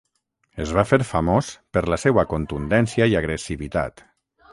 Es va fer famós per la seua contundència i agressivitat.